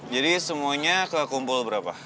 jadi semuanya kekumpul berapa